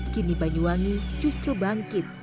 kini banyuwangi justru bangkit